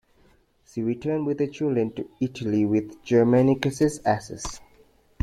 She returned with her children to Italy with Germanicus' ashes.